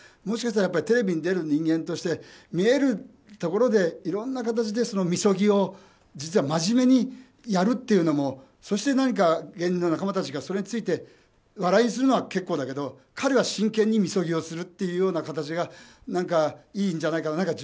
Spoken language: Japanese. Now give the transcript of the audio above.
もしかしたらテレビに出る人間として見えるところでいろんな形でみそぎをまじめにやるっていうのもそして芸人の仲間たちがそれについて笑いにするのは結構だけど彼は真剣にみそぎをするというような形がいいんじゃないかなと。